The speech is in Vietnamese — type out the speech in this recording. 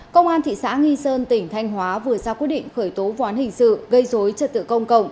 cơ quan thị xã nghi sơn tỉnh thanh hóa vừa ra quyết định khởi tố ván hình sự gây dối trật tự công cộng